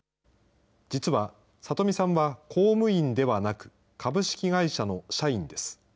実は、さとみさんは公務員ではなく、株式会社の社員です。